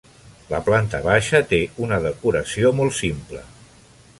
La planta baixa té una decoració molt simple.